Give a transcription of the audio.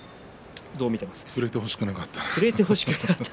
触れてほしくなかった。